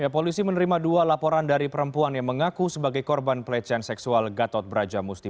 polisi menerima dua laporan dari perempuan yang mengaku sebagai korban pelecehan seksual gatot brajamusti